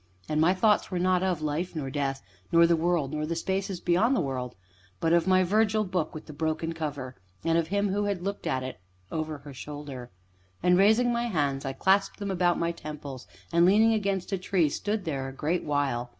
And my thoughts were not of Life nor Death nor the world nor the spaces beyond the world but of my Virgil book with the broken cover, and of him who had looked at it over her shoulder. And, raising my hands, I clasped them about my temples, and, leaning against a tree, stood there a great while.